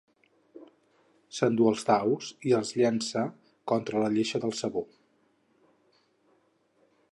S'endú els daus i els llança contra la lleixa del sabó.